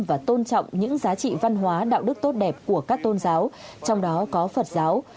và tôn trọng những giá trị văn hóa đạo đức tốt đẹp của các tôn giáo trong đó có phật giáo